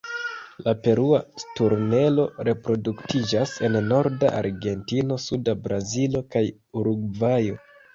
La Perua sturnelo reproduktiĝas en norda Argentino, suda Brazilo, kaj Urugvajo.